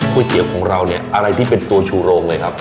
เตี๋ยวของเราเนี่ยอะไรที่เป็นตัวชูโรงเลยครับ